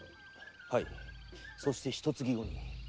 はいそしてひと月後に。